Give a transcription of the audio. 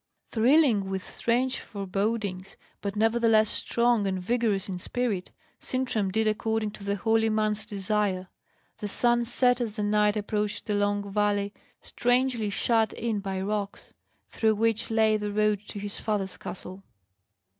Thrilling with strange forebodings, but nevertheless strong and vigorous in spirit, Sintram did according to the holy man's desire. The sun set as the knight approached a long valley, strangely shut in by rocks, through which lay the road to his father's castle.